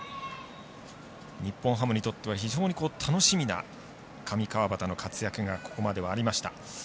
日本ハムにとっては非常に楽しみな上川畑の活躍がここまでありました。